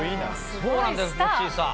そうなんです、モッチーさん。